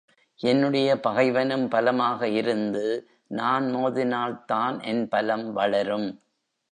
என்னுடைய பகைவனும் பலமாக இருந்து நான் மோதினால்தான் என் பலம் வளரும்.